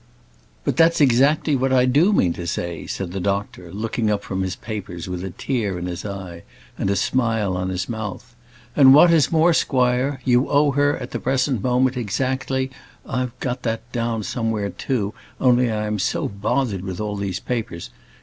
"But that's exactly what I do mean to say," said the doctor, looking up from his papers with a tear in his eye, and a smile on his mouth; "and what is more, squire, you owe her at the present moment exactly I've got that down too, somewhere, only I am so bothered with all these papers.